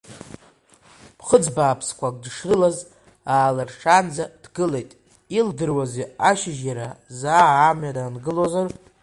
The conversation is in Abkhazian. Ԥхыӡ бааԥсқәак дышрылаз, аалыршаанӡа дгылеит, илдыруази ашьыжь иара заа амҩа дангылозар.